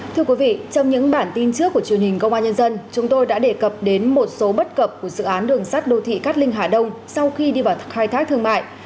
thưa quý vị trong những bản tin trước của truyền hình công an nhân dân chúng tôi đã đề cập đến một số bất cập của dự án đường sắt đô thị cát linh hà đông sau khi đi vào khai thác thương mại